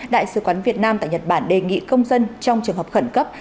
đại sứ quán việt nam tại nhật bản đề nghị công dân trong trường hợp khẩn cấp